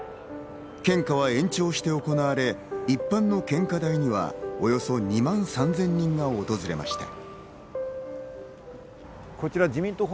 献花は延長して行われ、一般の献花台には、およそ２万３０００人が訪れました。